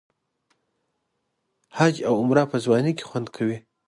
حج او عمره په ځوانۍ کې خوند کوي.